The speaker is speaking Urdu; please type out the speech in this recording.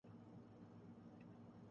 کافی طلبہ لائبریری میں پڑھتے ہیں